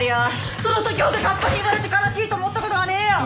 その時ほど河童に生まれて悲しいと思ったことはねえよ！